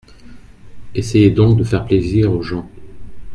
Essayez donc de faire plaisir aux gens !